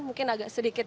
mungkin agak sedikit